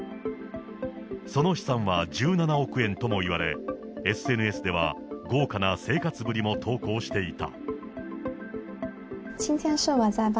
その資産は１７億円ともいわれ、ＳＮＳでは豪華な生活ぶりも投稿していた。